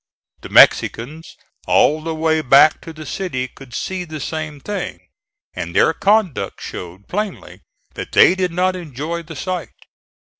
The Mexicans all the way back to the city could see the same thing, and their conduct showed plainly that they did not enjoy the sight.